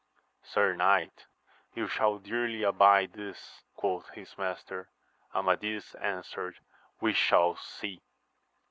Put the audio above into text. Sir knight, you shall dearly abide this, quoth his master. Amadis answered, We shall see